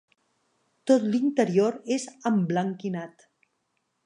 Tot l'interior és emblanquinat.